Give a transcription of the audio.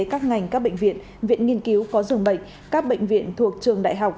các ngành các bệnh viện viện nghiên cứu phó dường bệnh các bệnh viện thuộc trường đại học